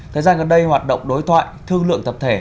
thời gian gần đây hoạt động đối thoại thương lượng tập thể